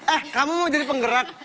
ah kamu mau jadi penggerak